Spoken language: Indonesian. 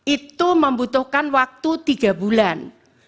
itu membutuhkan waktu tiga bulan